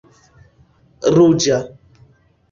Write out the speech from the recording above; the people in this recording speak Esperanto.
ruĝa